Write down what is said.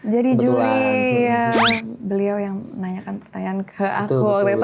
jadi juri beliau yang nanyakan pertanyaan ke aku